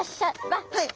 はい。